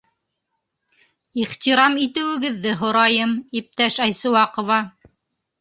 Ихтирам итеүегеҙҙе һорайым, иптәш Айсыуаҡова.